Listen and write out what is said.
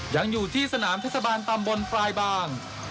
ยังอยู่ที่สนามเทศบาลตำบลปลายบาง